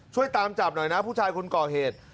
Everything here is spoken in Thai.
ช่วยตามจับหน่อยนะผู้ชายคนก่อเหตุ